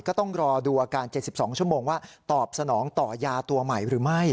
ก็ต้องรอดูอาการ๗๒ชั่วโมงว่าตอบสนองต่อยาตัวใหม่หรือไม่